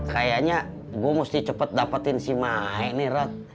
kayaknya gue mesti cepet dapetin si mae nih rod